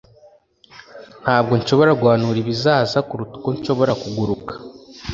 ntabwo nshobora guhanura ibizaza kuruta uko nshobora kuguruka.